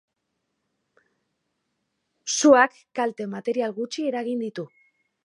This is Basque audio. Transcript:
Suak kalte material gutxi eragin ditu.